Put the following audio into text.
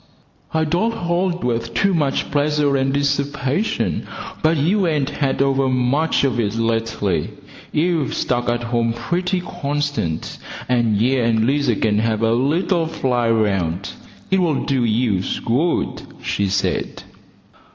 "I don't hold with too much pleasure and disherpation, but you ain't had overmuch of it lately. You've stuck at home pretty constant, and ye and Lizer can have a little fly round. It'll do yous good," she said.